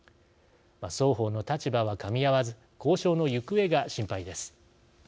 双方の立場はかみ合わず交渉の行方が心配です。